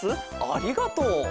ありがとう。